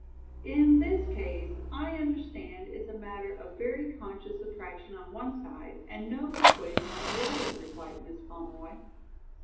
"In this case I understand it's a matter of very conscious attraction on one side and no persuasion on the other," replied Miss Pomeroy.